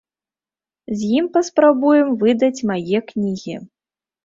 З ім паспрабуем выдаць мае кнігі.